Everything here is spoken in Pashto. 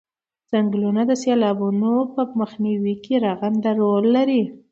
څنګلونه د سیلابونو په مخنیوي کې رغنده رول لري